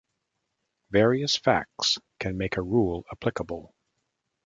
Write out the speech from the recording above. Various facts can make a rule applicable.